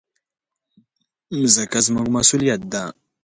مځکه زموږ مسؤلیت ده.